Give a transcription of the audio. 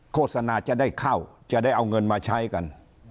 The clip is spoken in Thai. โฆษณาจะได้เข้าจะได้เอาเงินมาใช้กัน